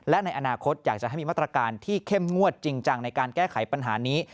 และในอนาคตอยากจะให้มีมาตรการที่เข้มงวดจริงจังในการแก้ไขปัญหานี้